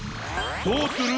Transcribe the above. どうする？